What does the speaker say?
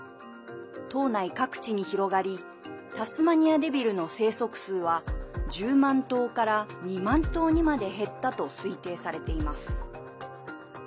島内各地に広がりタスマニアデビルの生息数は１０万頭から、２万頭にまで減ったと推定されています。